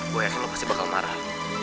gue yakin lo pasti bakal marah